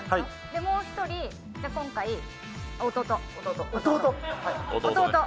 もう一人、今回、弟。